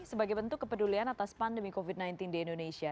sebagai bentuk kepedulian atas pandemi covid sembilan belas di indonesia